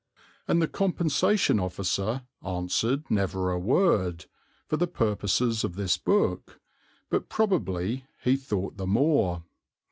And the Compensation Officer answered never a word, for the purposes of this book, but probably he thought the more.